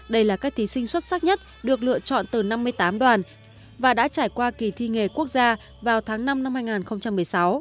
đây là các thí sinh xuất sắc nhất được lựa chọn từ năm mươi tám đoàn và đã trải qua kỳ thi nghề quốc gia vào tháng năm năm hai nghìn một mươi sáu